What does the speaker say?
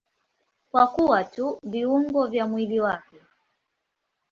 Kwa kuwa tu viungo vya mwili wake.